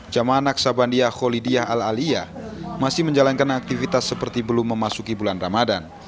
jemaah naksabandia kholidiyah al aliyah masih menjalankan aktivitas seperti belum memasuki bulan ramadan